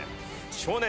少年